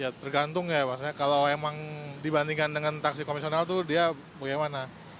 ya tergantung ya kalau dibandingkan dengan taksi konvensional itu bagaimana